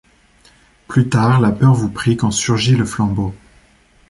Plus tard, la peur vous prit quand surgit le flambeau.